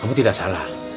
kamu tidak salah